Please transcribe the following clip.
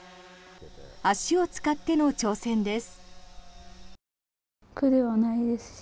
足を使っての挑戦です。